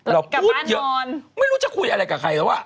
เราพูดเยอะไม่รู้จะคุยอะไรกับใครแล้วอ่ะ